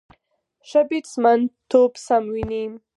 ښه بیټسمېن توپ سم ویني.